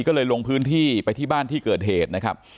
ก็เลยลงพื้นที่ไปที่บ้านที่เกิดเหตุนะครับ